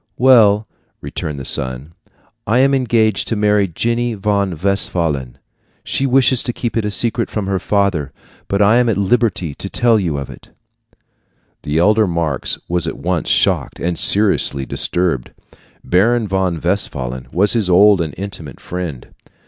"Well," returned the son, "I am engaged to marry Jenny von Westphalen. She wishes it kept a secret from her father, but I am at liberty to tell you of it." The elder Marx was at once shocked and seriously disturbed. Baron von Westphalen was his old and intimate friend.